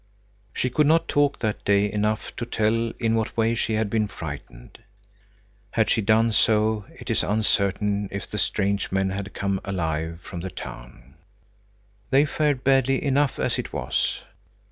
She could not talk that day enough to tell in what way she had been frightened. Had she done so, it is uncertain if the strange men had come alive from the town. They fared badly enough as it was.